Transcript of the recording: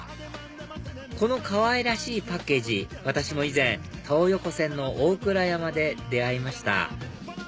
このかわいらしいパッケージ私も以前東横線の大倉山で出会いました